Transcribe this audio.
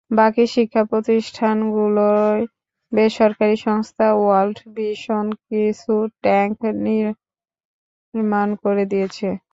বাকি শিক্ষাপ্রতিষ্ঠানগুলোয় বেসরকারি সংস্থা ওয়ার্ল্ড ভিশন কিছু ট্যাংক নির্মাণ করে দিয়েছে।